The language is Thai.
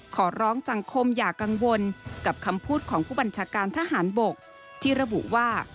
ขอร้องสังคมอย่ากังวลกับคำพูดของผู้บัญชาการทหารบกที่ระบุว่า